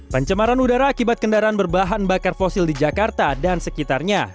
pencemaran udara akibat kendaraan berbahan bakar fosil di jakarta dan sekitarnya